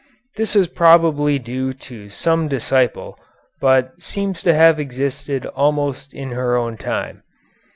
This is probably due to some disciple, but seems to have existed almost in her own time.